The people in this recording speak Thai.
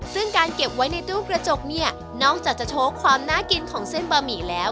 ซึ่งการเก็บไว้ในตู้กระจกเนี่ยนอกจากจะโชว์ความน่ากินของเส้นบะหมี่แล้ว